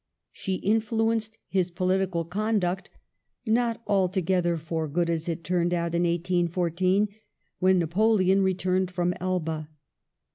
She influenced his political con duct — not altogether for good, as it turned out in 18 14, when Napoleon returned from Elba.